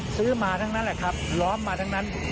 ซื้อมาทั้งนั้นแหละครับล้อมมาทั้งนั้น